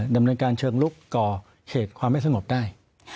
ดำเนินการเชิงลุกก่อเหตุความไม่สงบได้